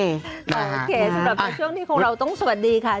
โอเคสำหรับในช่วงที่ของเราต้องสวัสดีค่ะ